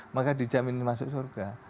maka dijamin masuk surga